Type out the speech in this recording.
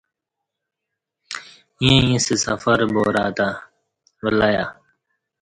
ییں ایݩستہ سفر بارا تہ ولہیہ